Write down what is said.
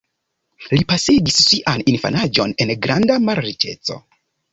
Li pasigis sian infanaĝon en granda malriĉeco.